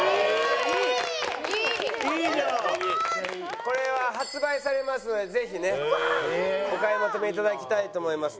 これは発売されますのでぜひねお買い求め頂きたいと思います。